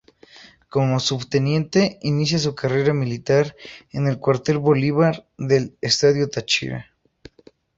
Como Subteniente inicia su carrera militar en el Cuartel Bolívar del estado Táchira.